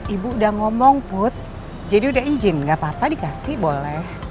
ibu udah ngomong put jadi udah izin gapapa dikasih boleh